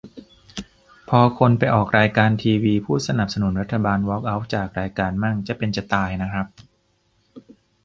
พอคนไปออกรายการทีวีพูดสนับสนุนรัฐบาลวอล์กเอาท์จากรายการมั่ง จะเป็นจะตายนะครับ